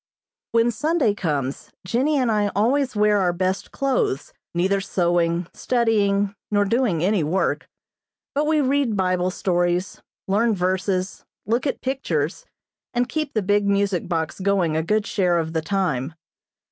When Sunday comes, Jennie and I always wear our best clothes, neither sewing, studying, nor doing any work, but we read Bible stories, learn verses, look at pictures, and keep the big music box going a good share of the time.